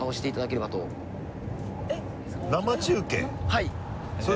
はい。